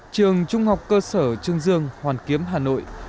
trường trung học cơ sở trương dương hoàn kiếm hà nội